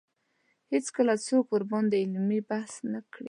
هېڅکله څوک ورباندې علمي بحث نه کړي